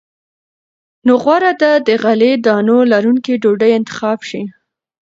نو غوره ده د غلې- دانو لرونکې ډوډۍ انتخاب شي.